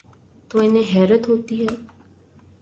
تو انہیں حیرت ہو تی ہے۔